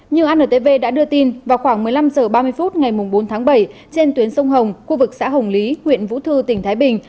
như antv đã đưa tin vào khoảng một mươi năm h ba mươi phút ngày bốn tháng bảy trên tuyến sông hồng khu vực xã hồng lý huyện vũ thư tỉnh thái bình